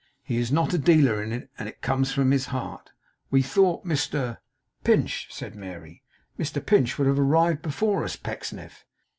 He is not a dealer in it, and it comes from his heart. We thought Mr ' 'Pinch,' said Mary. 'Mr Pinch would have arrived before us, Pecksniff.